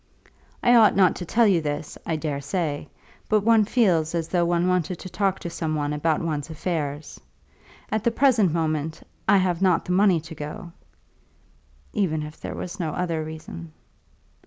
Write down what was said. I ought not to tell you this, I dare say, but one feels as though one wanted to talk to some one about one's affairs. At the present moment, I have not the money to go, even if there were no other reason."